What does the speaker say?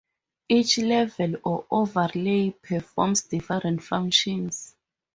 Each level or overlay performs different functions.